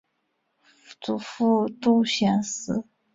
祖父杜思贤。